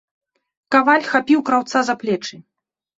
Каваль хапіў краўца за плечы.